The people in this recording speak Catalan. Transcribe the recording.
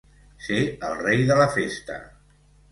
Ser el rei de la festa.